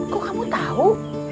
kok kamu tahu